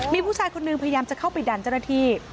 มีผู้ชายคนนึงพยายามจะเข้าไปดันเจ้าหน้าที่